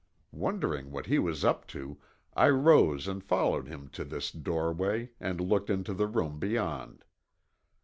Wondering what he was up to, I rose and followed him to this doorway and looked into the room beyond.